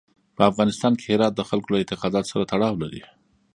په افغانستان کې هرات د خلکو له اعتقاداتو سره تړاو لري.